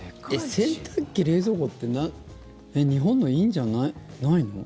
洗濯機、冷蔵庫って日本のいいんじゃないの？